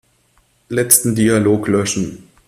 Letzten Dialog löschen.